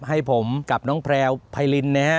ให้ผมกับน้องแพลวไพรินนะฮะ